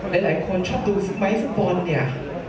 หลายคนชอบดูสมัยสมบนเนี่ย